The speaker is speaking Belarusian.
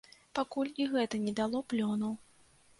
Пакуль і гэта не дало плёну.